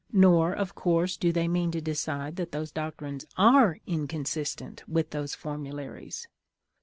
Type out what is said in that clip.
Nor, of course, do they mean to decide that those doctrines are inconsistent with, those formularies.